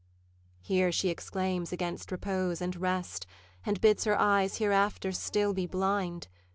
Here she exclaims against repose and rest, And bids her eyes hereafter still be blind.